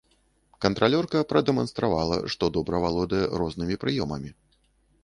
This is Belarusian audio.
Кантралёрка прадэманстравала, што добра валодае рознымі прыёмамі.